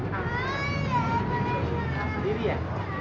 nggak lug hampshire